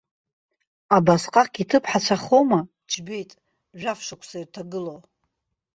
Абасҟак иҭыԥҳацәахома, џьбеит, жәаф шықәса ирҭагылоу?